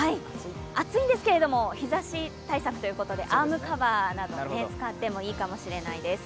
暑いんですけれども日ざし対策ということでアームカバーなどを使ってもいいかもしれないです。